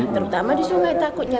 terutama di sungai takutnya